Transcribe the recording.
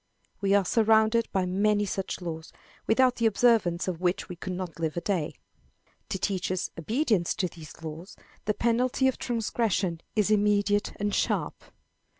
We are surrounded by many such laws, without the observance of which we could not live a day. To teach us obedience to these laws, the penalty of transgression is immediate and sharp.